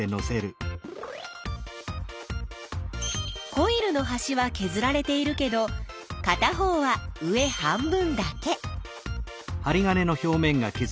コイルのはしはけずられているけどかた方は上半分だけ。